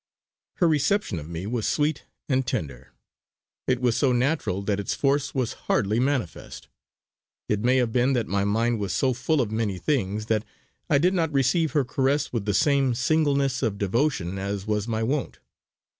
Her reception of me was sweet and tender. It was so natural that its force was hardly manifest. It may have been that my mind was so full of many things that I did not receive her caress with the same singleness of devotion as was my wont.